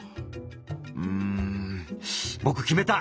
「うんぼく決めた！」。